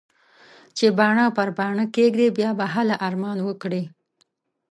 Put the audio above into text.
چې باڼه پر باڼه کېږدې؛ بيا به هله ارمان وکړې.